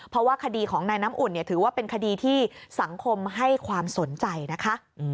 เพราะว่าคดีของนายน้ำอุ่นถือว่าเป็นคดีที่สังคมให้ความสนใจนะคะ